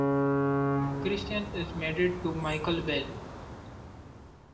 Christian is married to Michael Bell.